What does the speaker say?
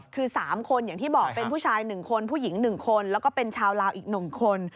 คือ๓คนอย่างที่บอกเป็นผู้ชาย๑คนผู้หญิง๑คนแล้วก็เป็นชาวลาวอีก๑คน